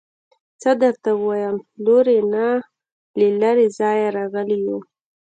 څه درته ووايم لورې نه له لرې ځايه راغلي يو.